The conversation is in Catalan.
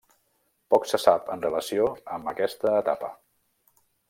Poc se sap en relació amb aquesta etapa.